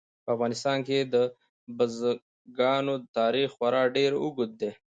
په افغانستان کې د بزګانو تاریخ خورا ډېر اوږد دی.